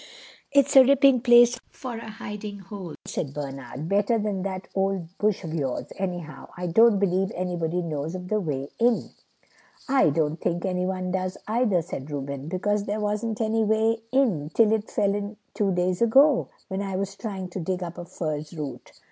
"It's a ripping place for a hidey hole," said Bernard, "better than that old bush of yours, anyhow. I don't believe anybody knows of the way in." "I don't think anyone does, either," said Reuben, "because there wasn't any way in till it fell in two days ago, when I was trying to dig up a furze root."